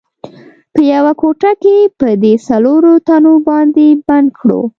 په یوه کوټه کې په دې څلورو تنو باندې بند کړو.